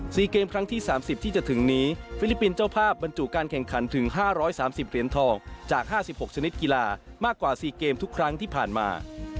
ซีเกมส์ครั้งที่๓๐ที่จะถึงนี้ฟิลิปปินส์เจ้าภาพบรรจุการแข่งขันถึง๕๓๐เหรียญทองจาก๕๖ชนิดกีฬามากกว่าซีเกมส์ทุกครั้งที่ผ่านมา